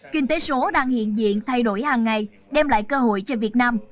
kinh tế số đang hiện diện thay đổi hàng ngày đem lại cơ hội cho việt nam